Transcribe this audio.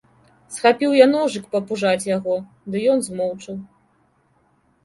Схапіў я ножык папужаць яго, ды ён змоўчаў.